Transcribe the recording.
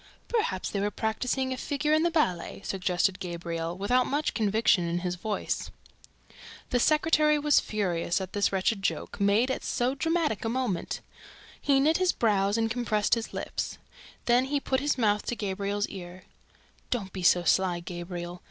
"Perhaps they were practising a figure in the ballet," suggested Gabriel, without much conviction in his voice. The secretary was furious at this wretched joke, made at so dramatic a moment. He knit his brows and contracted his lips. Then he put his mouth to Gabriel's ear: "Don't be so sly, Gabriel.